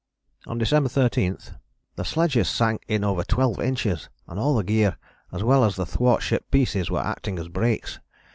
" On December 13, "the sledges sank in over twelve inches, and all the gear, as well as the thwartship pieces, were acting as breaks.